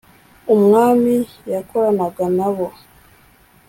Umwami yakoranaga na bo